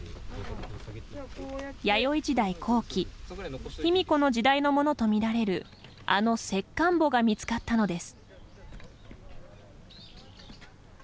弥生時代後期卑弥呼の時代のものと見られるあの石棺墓が見つかったのです。